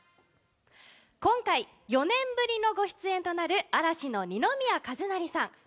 今回、４年ぶりの御出演となる嵐の二宮和也さん。